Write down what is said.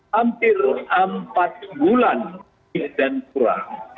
hampir empat bulan dan kurang